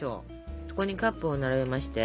そこにカップを並べまして。